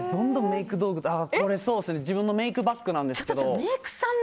これ、自分のメイクバッグなんですけど。